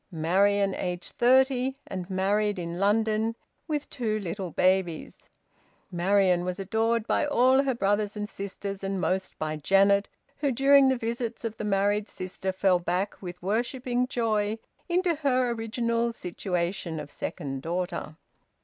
Marian, aged thirty, and married in London, with two little babies; Marian was adored by all her brothers and sisters, and most by Janet, who, during visits of the married sister, fell back with worshipping joy into her original situation of second daughter.